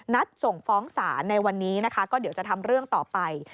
ส่งฟ้องศาลในวันนี้นะคะก็เดี๋ยวจะทำเรื่องต่อไป